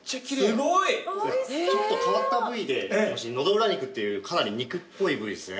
ちょっと変わった部位でノドウラ肉っていうかなり肉っぽい部位ですね。